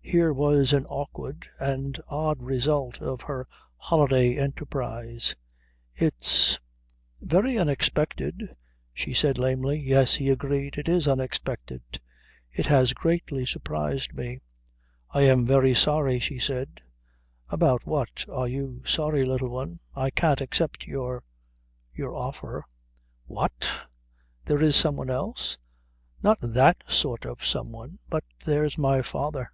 Here was an awkward and odd result of her holiday enterprise. "It's very unexpected," she said, lamely. "Yes," he agreed. "It is unexpected. It has greatly surprised me." "I'm very sorry," she said. "About what are you sorry, Little One?" "I can't accept your your offer." "What! There is some one else?" "Not that sort of some one. But there's my father."